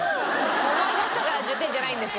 思い出したから１０点じゃないんですよ。